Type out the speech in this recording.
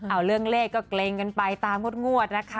เอาเรื่องเลขก็เกรงกันไปตามงวดนะคะ